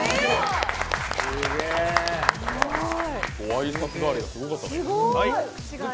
ご挨拶代わりがすごかったね。